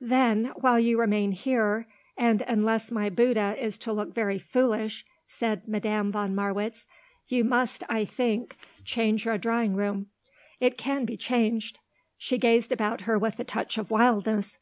"Then, while you remain here, and unless my Bouddha is to look very foolish," said Madame von Marwitz, "you must, I think, change your drawing room. It can be changed," she gazed about her with a touch of wildness.